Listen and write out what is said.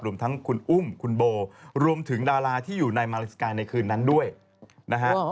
รวมทั้งคุณอุ้มคุณโบรวมถึงดาราที่อยู่ในมาเลสกายในคืนนั้นด้วยนะฮะ